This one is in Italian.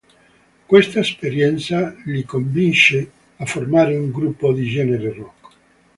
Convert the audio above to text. Questa esperienza li convince a formare un gruppo di genere rock.